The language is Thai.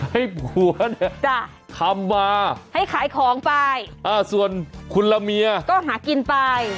ให้ผัวนี่ทำมาอ่าส่วนคุณแล้วเมียก็หากินไป